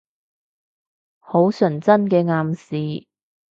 好純真嘅暗示